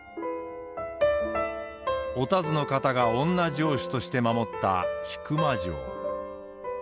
お田鶴の方が女城主として守った引間城。